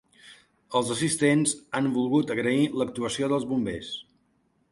Els assistents han volgut agrair l'actuació dels bombers.